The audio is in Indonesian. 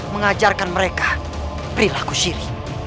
mengajarkan mereka perilaku syiri